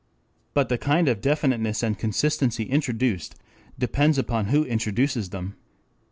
But the kind of definiteness and consistency introduced depends upon who introduces them.